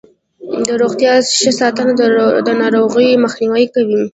د روغتیا ښه ساتنه د ناروغیو مخنیوی کوي.